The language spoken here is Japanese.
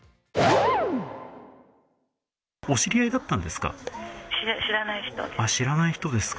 お知り合いだったんですか？